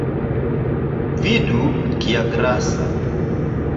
Vidu, kia grasa!